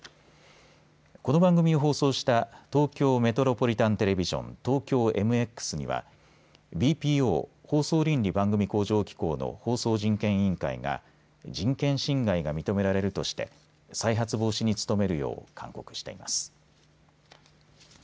この番組を放送した東京メトロポリタンテレビジョンＴＯＫＹＯＭＸにはＢＰＯ・放送倫理・番組向上機構の放送人権委員会が人権侵害が認められるとして再発防止に努めるよう勧告しています。